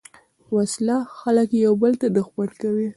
وسله خلک یو بل ته دښمن کوي